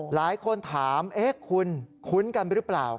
หลายคนถามคุณคุ้นกันหรือเปล่า